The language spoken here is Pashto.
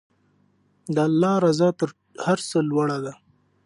د الله رضا تر هر څه لوړه ده.